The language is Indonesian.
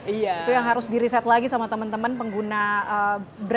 itu yang harus di reset lagi sama teman teman pengguna brand atau store